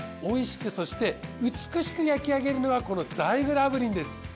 おいしくそして美しく焼き上げるのがこのザイグル炙輪です。